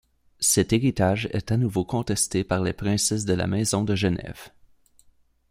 Cet héritage est à nouveau contesté par les princesses de la maison de Genève.